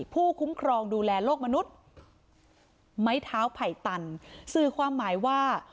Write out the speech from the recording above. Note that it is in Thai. ผู้คุ้มครองดูแลโลกมนุษย์ไม้เท้าไผ่ตันสื่อความหมายว่า